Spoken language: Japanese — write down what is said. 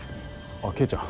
あっ圭ちゃん。